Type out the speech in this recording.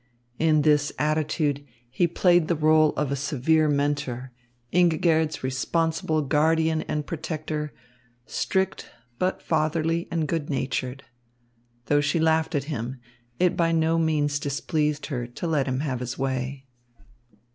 In this attitude he played the rôle of a severe mentor, Ingigerd's responsible guardian and protector, strict, but fatherly and good natured. Though she laughed at him, it by no means displeased her to let him have his way.